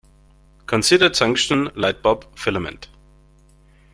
Consider a tungsten light-bulb filament.